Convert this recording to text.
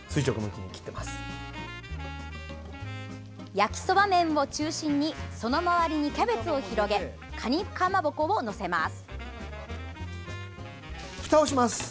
焼きそば麺を中心にその周りにキャベツを広げかにかまぼこを載せます。